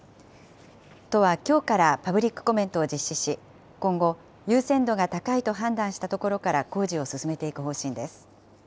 都はきょうからパブリックコメントを実施し、今後、優先度が高いと判断した所から工事を進めていく方針です。